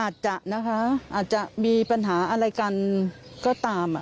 อาจจะนะคะอาจจะมีปัญหาอะไรกันก็ตาม